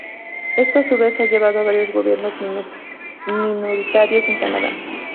Esto a su vez ha llevado a varios gobiernos minoritarios en Canadá.